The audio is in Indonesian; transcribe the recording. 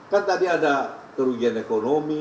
kan tadi ada kerugian ekonomi